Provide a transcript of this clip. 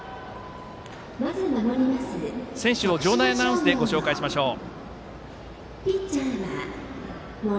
選手を場内アナウンスでご紹介しましょう。